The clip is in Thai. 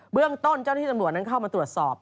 เรื่องต้นเจ้าหน้าที่ตำรวจนั้นเข้ามาตรวจสอบ